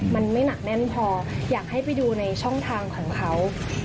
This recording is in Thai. มันไม่หนักแน่นพออยากให้ไปดูในช่องทางของเขา